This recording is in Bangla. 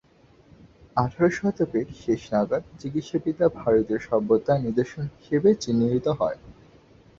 আঠারো শতকের শেষ নাগাদ চিকিৎসাবিদ্যা ভারতীয় সভ্যতার নিদর্শন হিসেবে চিহ্নিত হয়।